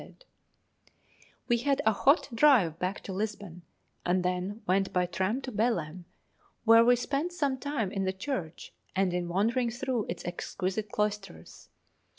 [Illustration: Vasco da Gama] We had a hot drive back to Lisbon, and then went by tram to Belem, where we spent some time in the church and in wandering through its exquisite cloisters.